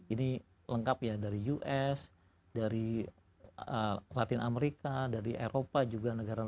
ini lengkap ya dari us dari latin america dari eropa juga negara kita berbanyak